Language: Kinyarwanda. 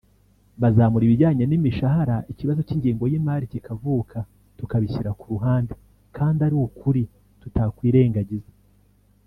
bazamura ibijyanye n’imishahara ikibazo cy’ingengo y’imari kikavuka tukabishyira ku ruhande kandi ari ukuri tutakwirengagiza